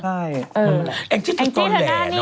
ใช่แอ้งจี้จะโดนแหลอะโอ้ค่ะหนึ่งง